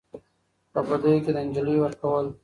په بديو کي د نجلۍ ورکول